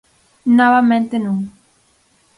Novamente non.